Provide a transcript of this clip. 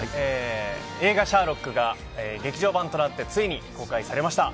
映画「シャーロック」が劇場版となってついに公開されました。